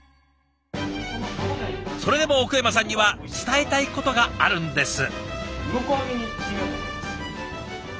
それでも奥山さんには伝えたいことがあるんです。